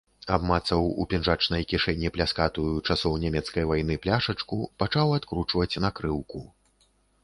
Абмацаў у пінжачнай кішэні пляскатую, часоў нямецкай вайны, пляшачку, пачаў адкручваць накрыўку.